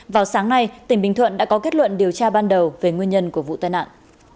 vào sáng nay tỉnh bình thuận đã có kết luận điều tra ban đầu về nguyên nhân của vụ tai nạn